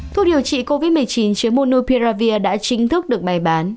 thuốc điều trị covid một mươi chín chứa monopiravir đã chính thức được bày bán